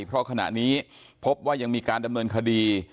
เพราะขณะนี้พบว่ายังมีการดำเนินคดี